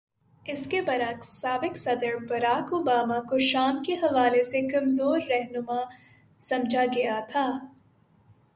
اس کے برعکس، سابق صدر بارک اوباما کو شام کے حوالے سے کمزور رہنما سمجھا گیا تھا۔